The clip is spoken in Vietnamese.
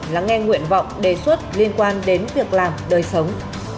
lắng nghe nguyện vọng đề xuất liên quan đến việc làm đời sống